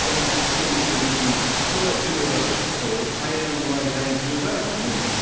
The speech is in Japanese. そうの取り組み、これは重要だと、再エネの場合、大変重要であると思います。